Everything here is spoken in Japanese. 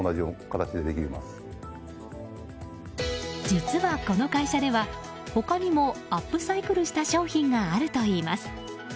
実はこの会社では、他にもアップサイクルした商品があるといいます。